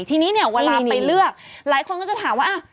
ทีนี้เนี่ยเวลาไปเลือกหลายคนก็จะถามว่า